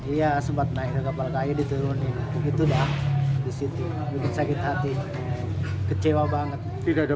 iya sempat naik ke kapal kayu diturunin gitu dah disitu bikin sakit hati kecewa banget tidak ada